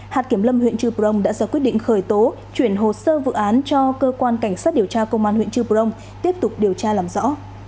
hạt kiểm lâm đã ra quyết định khởi tố chuyển hồ sơ vụ án cho cơ quan cảnh sát điều tra công an huyện trưu brong tiếp tục điều tra làm rõ